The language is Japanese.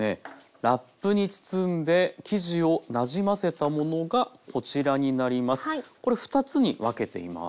ラップに包んで生地をなじませたものがこちらになります。